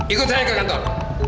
ikut saya ke kantor